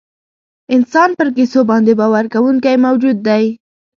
انسان پر کیسو باندې باور کوونکی موجود دی.